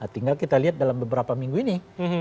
tinggal kita lihat dalam beberapa minggu ini